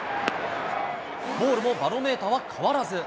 ボールもバロメーターは変わらず。